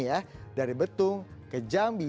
kecamatan betung ke jambi